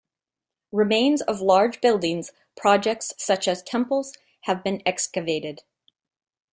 Remains of large buildings projects, such as temples, have been excavated.